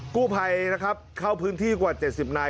กู้ภัยนะครับเข้าพื้นที่กว่า๗๐นาย